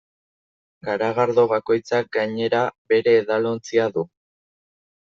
Garagardo bakoitzak, gainera, bere edalontzia du.